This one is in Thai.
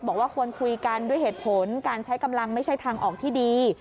บอกว่าควรคุยกันด้วยเหตุผลการใช้กำลังไม่ใช่ทางออกที่ดี